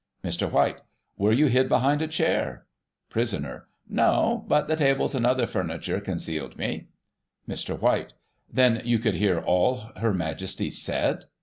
Mr. White: Were you hid behind a chair? Prisoner: No. But the tables and other furniture con cealed me. Mr. White : Then you could hear all Her Majesty said